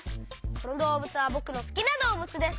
このどうぶつはぼくのすきなどうぶつです。